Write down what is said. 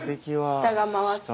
下が回す。